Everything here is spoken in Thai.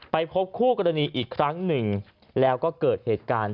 ไปพบคู่กรณีอีกครั้งหนึ่งแล้วก็เกิดเหตุการณ์